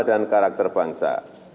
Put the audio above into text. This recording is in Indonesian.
dan karakter bangsa